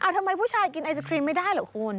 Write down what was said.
ทำไมผู้ชายกินไอศครีมไม่ได้เหรอคุณ